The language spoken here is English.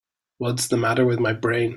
What's the matter with my brain?